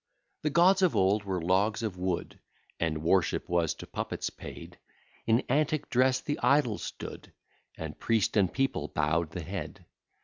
The gods of old were logs of wood, And worship was to puppets paid; In antic dress the idol stood, And priest and people bow'd the head.